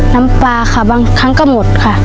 น้ำปลาค่ะบางครั้งก็หมดค่ะ